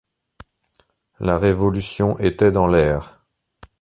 La Révolution était dans l'air.